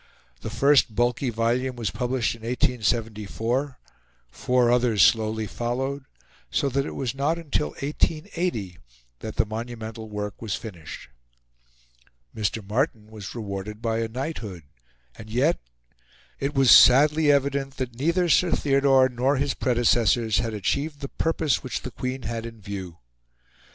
The first bulky volume was published in 1874; four others slowly followed; so that it was not until 1880 that the monumental work was finished. Mr. Martin was rewarded by a knighthood; and yet it was sadly evident that neither Sir Theodore nor his predecessors had achieved the purpose which the Queen had in view.